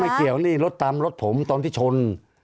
เกี่ยวนี่รถตามรถผมตอนที่ชน